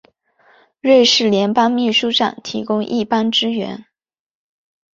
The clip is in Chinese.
瑞士联邦秘书长提供一般支援。